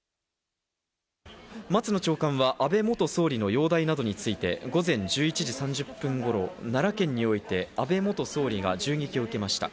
松野長官は安倍元総理の容体などについて午前１１時３０分頃、奈良県において、安倍元総理が銃撃を受けました。